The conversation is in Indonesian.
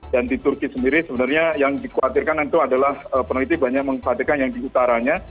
dan di turki sendiri sebenarnya yang dikhawatirkan itu adalah peneliti banyak mengkhawatirkan yang di utaranya